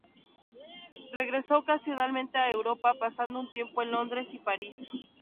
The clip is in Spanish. Regresó ocasionalmente a Europa, pasando un tiempo en Londres y París.